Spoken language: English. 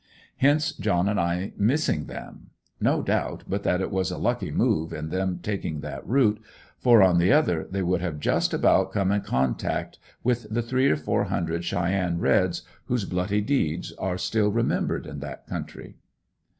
Hence John and I missing them. No doubt but that it was a lucky move in them taking that route, for, on the other, they would have just about come in contact with the three or four hundred Cheyenne reds, whose bloody deeds are still remembered in that country.